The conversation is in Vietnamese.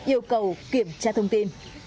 yêu cầu kiểm tra thông tin